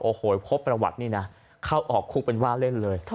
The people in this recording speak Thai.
โอ้โหพบประวัตินี่นะเข้าออกคุกเป็นว่าเล่นเลย